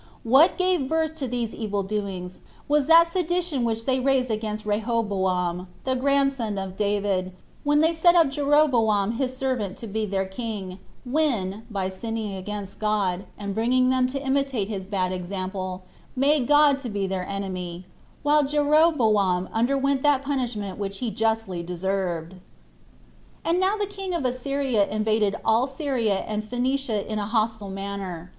What gave birth to these evil doings, was that sedition which they raised against Rehoboam, the grandson of David, when they set up Jeroboam his servant to be their king, when, by sinning against God, and bringing them to imitate his bad example, made God to be their enemy, while Jeroboam underwent that punishment which he justly deserved. 2. And now the king of Assyria invaded all Syria and Phoenicia in a hostile manner.